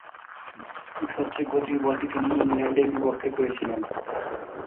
সবচেয়ে গতির বলটি তিনি ইংল্যান্ড এর বিপক্ষে করেছিলেন।